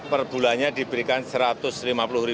per bulannya diberikan rp satu ratus lima puluh